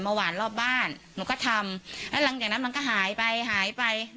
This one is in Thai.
หวานรอบบ้านหนูก็ทำแล้วหลังจากนั้นมันก็หายไปหายไป